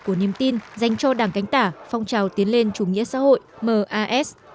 của niềm tin dành cho đảng cánh tả phong trào tiến lên chủ nghĩa xã hội mas